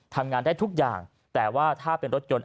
ทำงานได้ทุกอย่างแต่ว่าถ้าเป็นรถยนต์